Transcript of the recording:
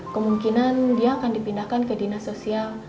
kemungkinan dia akan dipindahkan ke dinas sosial